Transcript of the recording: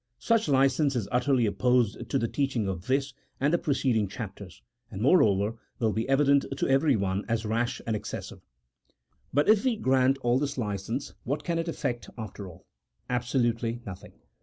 Such licence is utterly opposed to the teaching of this and the preceding chapters, and, moreover, will be evident to everyone as rash and excessive. But if we grant all this licence, what can it effect after all ? Absolutely nothing.